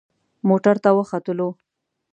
موټر ته وختلو.